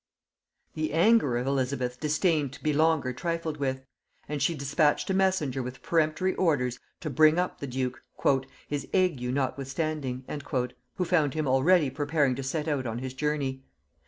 The anger of Elizabeth disdained to be longer trifled with; and she dispatched a messenger with peremptory orders to bring up the duke, "his ague notwithstanding," who found him already preparing to set out on his journey.